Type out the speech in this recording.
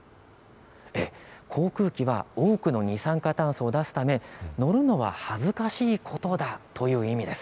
航空機は多くの二酸化炭素を出すため乗るのは恥ずかしいことだという意味です。